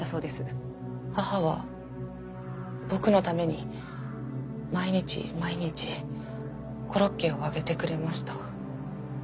母は僕のために毎日毎日コロッケを揚げてくれました。